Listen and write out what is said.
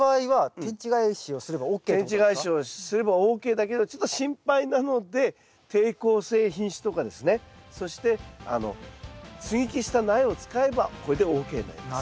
天地返しをすればＯＫだけどちょっと心配なので抵抗性品種とかですねそして接ぎ木した苗を使えばこれでＯＫになります。